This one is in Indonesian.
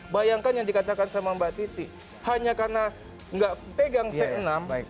bayangkan yang dikatakan sama mbak titi hanya karena nggak pegang c enam